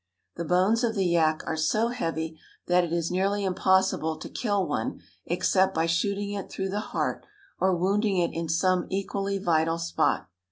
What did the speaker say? The bones of the yak are so heavy that it is nearly impossible to kill one except by shooting it through the heart or wounding it in some equally vital spot.